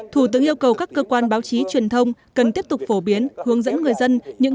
thủ tướng yêu cầu các cơ quan báo chí truyền thông cần tiếp tục phổ biến hướng dẫn người dân những